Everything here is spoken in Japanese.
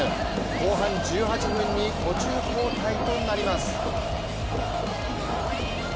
後半１８分に途中交代となります。